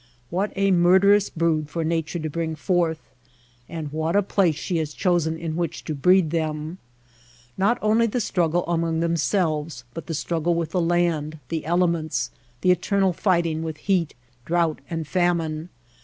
What a murderous brood for Nature to bring forth ! And what a place she has chosen in which to breed them ! Not only the struggle among themselves, but the struggle with the land, the elements — the eternal fighting with heat, drouth, and famine.